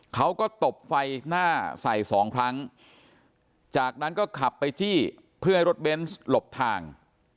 ตบไฟหน้าใส่สองครั้งจากนั้นก็ขับไปจี้เพื่อให้รถเบนส์หลบทาง